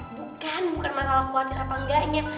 bukan bukan masalah khawatir apa enggaknya